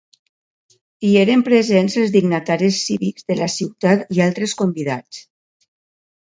Hi eren present els dignataris cívics de la ciutat i altres convidats.